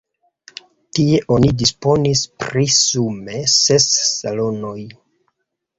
Tie oni disponis pri sume ses salonoj.